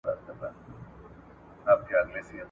محتسب ښارته وتلی حق پر شونډو دی ګنډلی !.